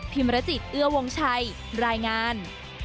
มรจิตเอื้อวงชัยรายงาน